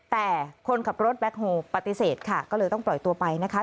แต่คนขับรถแบ็คโฮลปฏิเสธค่ะก็เลยต้องปล่อยตัวไปนะคะ